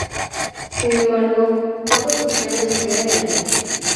Sin embargo, cosas extrañas suceden allí.